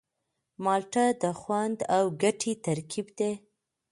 مالټه د خوند او ګټې ترکیب دی.